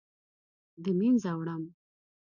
د مینځه وړم